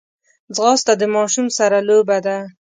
ځغاسته د ماشوم سره لوبه ده